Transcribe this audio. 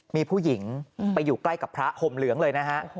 มีผู้หญิงไปอยู่ใกล้กับพระห่มเหลืองเลยนะฮะ